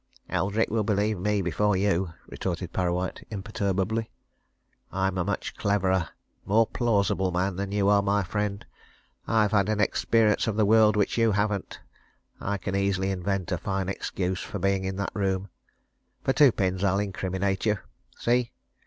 "Eldrick will believe me before you," retorted Parrawhite, imperturbably. "I'm a much cleverer, more plausible man than you are, my friend I've had an experience of the world which you haven't, I can easily invent a fine excuse for being in that room. For two pins I'll incriminate you! See?